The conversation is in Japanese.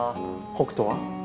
北斗は？